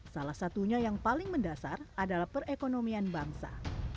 salah satunya yang paling mendasar adalah perekonomian bangsa